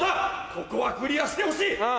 ここはクリアしてほしい！